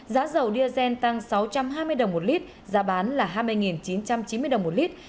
giá dầu diazen tăng sáu trăm hai mươi đồng một lít giá bán là hai mươi chín trăm chín mươi đồng một lít